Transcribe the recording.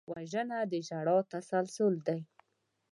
وژنه د ژړا تسلسل دی